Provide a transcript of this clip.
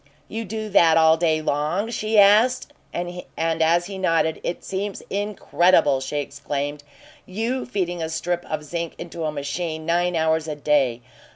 "You do that all day long?" she asked, and as he nodded, "It seems incredible!" she exclaimed. "YOU feeding a strip of zinc into a machine nine hours a day!